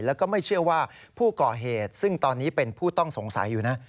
แล้วก็ไม่เชื่อว่าผู้ก่อเหตุซึ่งตอนนี้เป็นผู้ต้องสงสัยอยู่นะ